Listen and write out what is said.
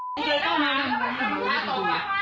ประตูนี้เหรอประตูนี้เหรอ